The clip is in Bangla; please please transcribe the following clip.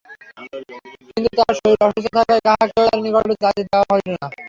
কিন্তু তাঁহার শরীর অসুস্থ থাকায় কাহাকেও তাঁহার নিকটে যাইতে দেওয়া হইল না।